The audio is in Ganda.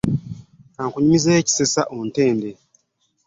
Ka nkunyumizeeyo ekisesa ontende.